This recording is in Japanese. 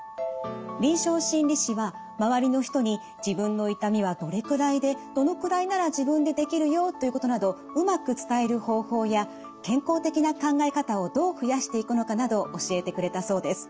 臨床心理士は周りの人に自分の痛みはどれくらいでどのくらいなら自分でできるよということなどうまく伝える方法や健康的な考え方をどう増やしていくのかなど教えてくれたそうです。